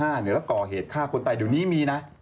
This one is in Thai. แล้วก่อเหตุฆ่าคนตายเดี๋ยวนี้มีนะ